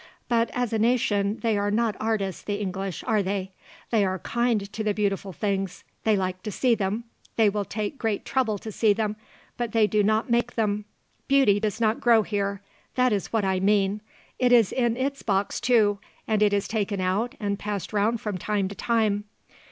But, as a nation, they are not artists, the English, are they? They are kind to the beautiful things; they like to see them; they will take great trouble to see them; but they do not make them. Beauty does not grow here that is what I mean. It is in its box, too, and it is taken out and passed round from time to time.